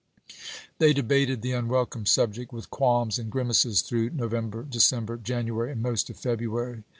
Bruce. They debated the unwelcome subject with qualms and grimaces through November, December, Janu ary, and most of February.